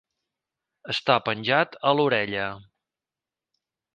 Estar penjat a l'orella.